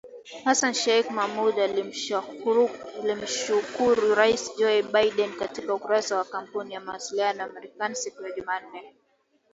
Hassan Sheikh Mohamud alimshukuru Rais Joe Biden katika ukurasa wa Kampuni ya mawasiliano ya Marekani siku ya Jumanne.